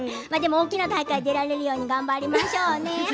大きな大会に出られるように頑張りましょうね。